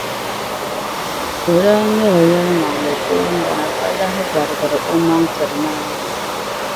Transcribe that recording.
O daa nyɛla yɛlimaŋli toondana, ka lahi gbarigiri o maŋa tiri Naawuni.